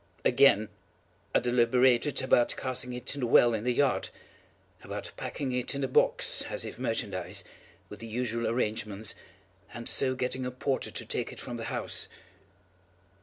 Again, I deliberated about casting it in the well in the yard—about packing it in a box, as if merchandise, with the usual arrangements, and so getting a porter to take it from the house.